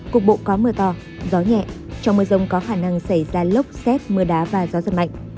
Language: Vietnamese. cục bộ có mưa to gió nhẹ trong mưa rông có khả năng xảy ra lốc xét mưa đá và gió giật mạnh